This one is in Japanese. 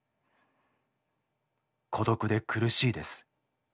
孤独で苦しいです。